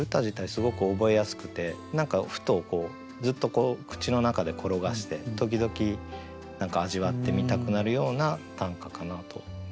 すごく覚えやすくて何かふとずっと口の中で転がして時々味わってみたくなるような短歌かなと思いました。